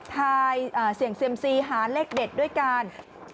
เสี่ยงเซียมซีหาเลขเด็ดด้วยกัน